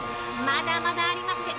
◆まだまだありますよ。